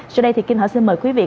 sau đây thì kim hỏa xin mời quý vị